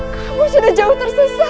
kamu sudah jauh tersesat